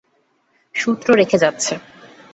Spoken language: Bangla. সূত্র রেখে যাচ্ছে।